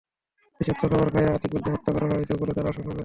বিষাক্ত খাবার খাইয়ে আতিকুলকে হত্যা করা হয়েছে বলে তাঁরা আশঙ্কা করছেন।